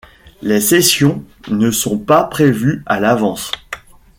Les sessions ne sont pas prévues à l'avance.